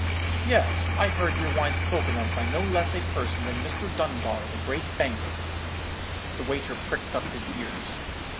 "'Yes; I heard your house spoken of by no less a person than Mr. Dunbar, the great banker.' "The waiter pricked up his ears.